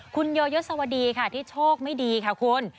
คุณโยยศวดีค่ะที่โชคไม่ดีค่ะคุณ